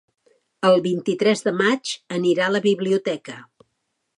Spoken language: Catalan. El vint-i-tres de maig anirà a la biblioteca.